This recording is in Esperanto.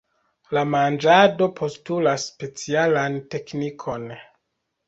La manĝado postulas specialan teknikon.